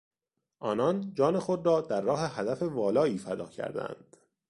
آنان جان خود را در راه هدف والایی فدا کردند.